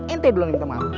ente duluan yang minta maaf